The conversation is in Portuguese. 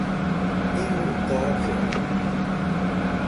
imutável